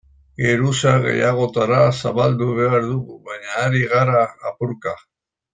Geruza gehiagotara zabaldu behar dugu, baina ari gara apurka.